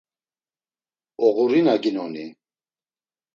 Oğurinaginoni?